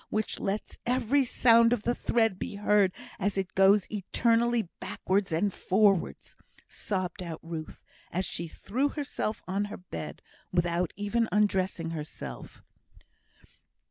which lets every sound of the thread be heard as it goes eternally backwards and forwards," sobbed out Ruth, as she threw herself on her bed, without even undressing herself.